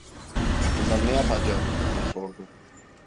"Bunları ne yapacağım?" diye sordu.